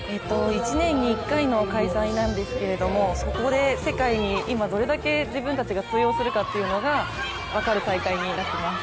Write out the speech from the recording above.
１年に１回の開催なんですけどそこで世界に今どれだけ自分たちが通用するかというのが分かる大会になってます。